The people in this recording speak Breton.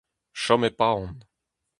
Chom hep aon.